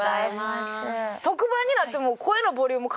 特番になっても。